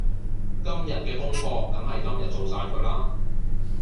今日嘅功課梗係今日做晒佢啦